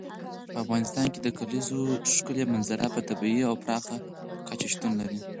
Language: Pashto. په افغانستان کې د کلیزو ښکلې منظره په طبیعي او پراخه کچه شتون لري.